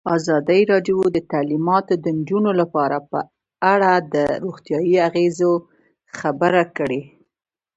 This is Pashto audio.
ازادي راډیو د تعلیمات د نجونو لپاره په اړه د روغتیایي اغېزو خبره کړې.